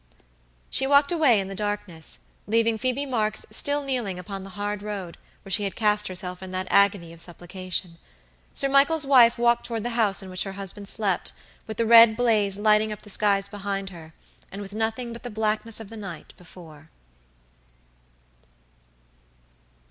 She walked away in the darkness, leaving Phoebe Marks still kneeling upon the hard road, where she had cast herself in that agony of supplication. Sir Michael's wife walked toward the house in which her husband slept with the red blaze lighting up the skies behind her, and with nothing but the blackness of the night before.